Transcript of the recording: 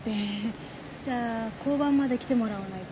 じゃあ交番まで来てもらわないと。